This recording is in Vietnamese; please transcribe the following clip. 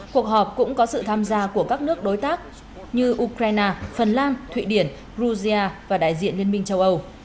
cuộc họp cũng có sự tham gia của các nước đối tác như ukraine phần lan thụy điển georgia và đại diện liên minh châu âu